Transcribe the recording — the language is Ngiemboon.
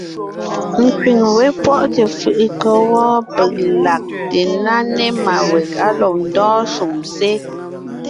Nkẅíŋ wé pwɔ́ʼte fʉʼʉ kɔ́ wɔ́ peg lagte ńná ne má weg á lɔg ndɔ́ɔn shúm sé.